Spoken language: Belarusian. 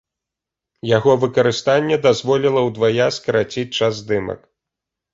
Яго выкарыстанне дазволіла ўдвая скараціць час здымак.